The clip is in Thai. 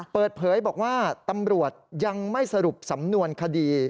เปิดเผยบอกว่าตำรวจยังไม่สรุปสำนวนคดี